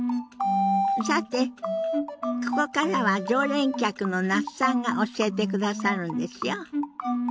さてここからは常連客の那須さんが教えてくださるんですよ。